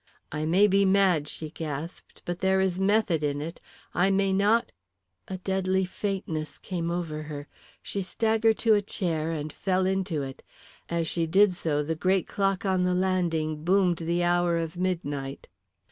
"I may be mad," she gasped, "but there is method in it. I may not " A deadly faintness came over her, she staggered to a chair and fell into it. As she did so the great clock on the landing boomed the hour of midnight.